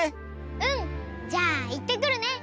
うんじゃあいってくるね！